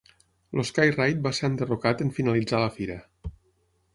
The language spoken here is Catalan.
El Sky Ride va ser enderrocat en finalitzar la fira.